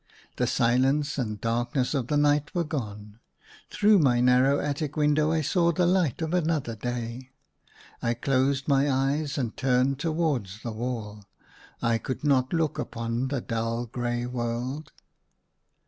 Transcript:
The silence and darkness of the night were gone. Through my narrow attic window I saw the light of another day. I closed my eyes and turned towards the wall : I could not look upon the dull grey world.